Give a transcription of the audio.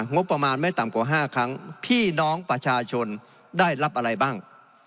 งบประมาณไม่ต่ำกว่า๕ครั้งพี่น้องประชาชนได้รับอะไรบ้าง